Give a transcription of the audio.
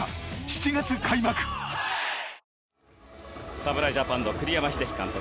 侍ジャパンの栗山英樹監督